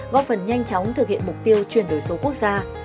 góp phần nhanh chóng thực hiện mục tiêu chuyển đổi số quốc gia